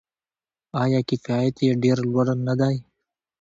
آیا کیفیت یې ډیر لوړ نه دی؟